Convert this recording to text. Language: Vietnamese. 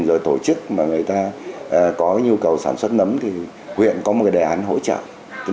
các hộ chức mà người ta có nhu cầu sản xuất nấm thì huyện có một đề án hỗ trợ